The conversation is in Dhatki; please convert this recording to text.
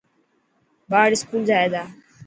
ٻار اسڪول جائي تا.